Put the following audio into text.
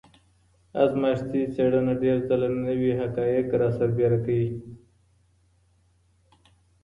ازمایښتي څېړنه ډېر ځله نوي حقایق راسربېره کوي.